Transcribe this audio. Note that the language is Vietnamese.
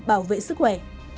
bảo vệ sức khỏe